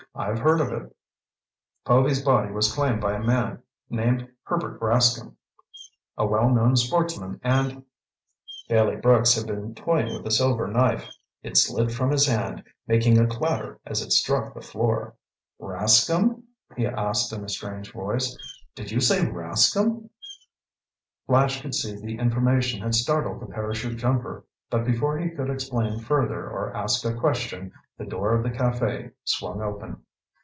"I've heard of it." "Povy's body was claimed by a man named Herbert Rascomb. A well known sportsman and—" Bailey Brooks had been toying with a silver knife. It slid from his hand, making a clatter as it struck the floor. "Rascomb?" he asked in a strange voice. "Did you say Rascomb?" Flash could see that the information had startled the parachute jumper. But before he could explain further or ask a question, the door of the café swung open.